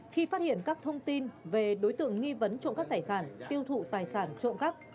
khi phát hiện các thông tin về đối tượng nghi vấn trộm cắp tài sản tiêu thụ tài sản trộm cắp